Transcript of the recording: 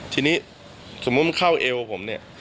ทีนี้สมมุติมันเข้าเอวผมเนี่ย